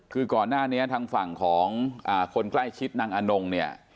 คือก่อนหน้านี้ทางฝั่งของคนใกล้ชิดนางอนงเนี่ย